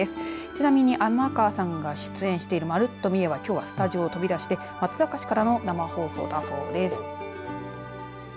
ちなみに天川さんが出演している、まるっと三重はきょうはスタジオを飛び出して松阪市からの生放送だそうです。